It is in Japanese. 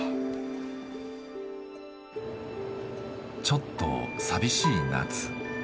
ちょっと寂しい夏。